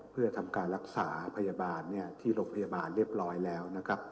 เพื่อทำการรักษาพยาบาลที่โรงพยาบาลเรียบร้อยแล้วนะครับ